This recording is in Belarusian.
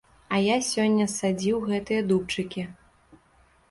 А я сёння садзіў гэтыя дубчыкі.